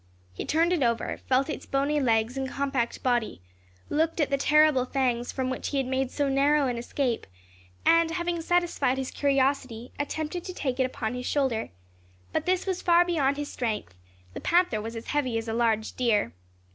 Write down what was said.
He turned it over, felt its bony legs and compact body; looked at the terrible fangs from which he had made so narrow an escape, and, having satisfied his curiosity, attempted to take it upon his shoulder; but this was far beyond his strength the panther was heavy as a large deer.